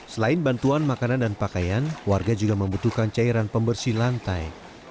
selain bantuan makanan dan pakaian warga juga membutuhkan cairan pembersih lantai